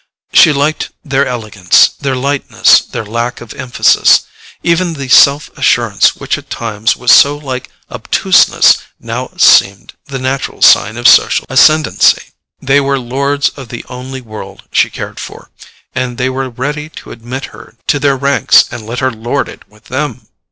She liked their elegance, their lightness, their lack of emphasis: even the self assurance which at times was so like obtuseness now seemed the natural sign of social ascendency. They were lords of the only world she cared for, and they were ready to admit her to their ranks and let her lord it with them.